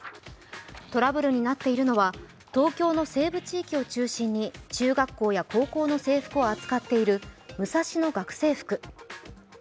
トラブルになっているのは、東京の西部地域を中心に中学校や高校の制服を扱っているムサシノ学生服。